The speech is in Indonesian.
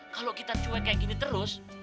kalau kita cuek kayak gini terus